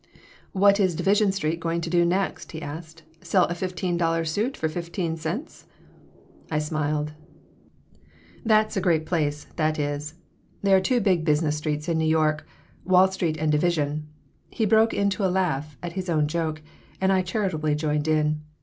"What is Division Street going to do next?" he asked. "Sell a fifteen dollar suit for fifteen cents?" I smiled "That's a great place, that is. There are two big business streets in New York Wall Street and Division." He broke into a laugh at his own joke and I charitably joined in.